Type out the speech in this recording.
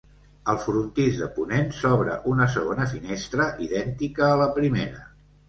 Al frontis de ponent s'obre una segona finestra idèntica a la primera.